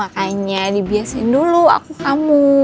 makanya dibiasain dulu aku kamu